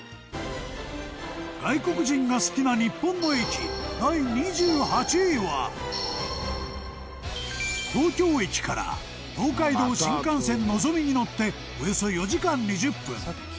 外国人が好きな日本の駅第２８位は東京駅から東海道新幹線のぞみに乗っておよそ４時間２０分